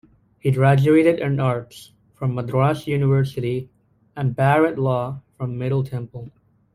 He graduated in Arts from Madras University and Bar-at-law from Middle Temple.